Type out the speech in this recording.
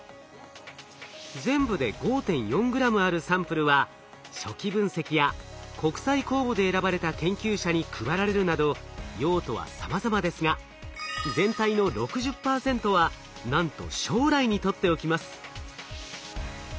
全部で５．４グラムあるサンプルは初期分析や国際公募で選ばれた研究者に配られるなど用途はさまざまですが全体の６０％はなんと将来に取っておきます。